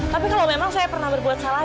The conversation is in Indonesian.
tapi kalau memang saya pernah berbuat salah